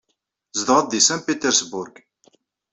Tzedɣed deg Saint Petersburg.